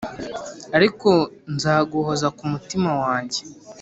Ariko nzaguhoza kumutima wajye